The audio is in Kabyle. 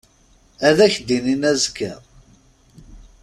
Ad ak-d-inin azekka.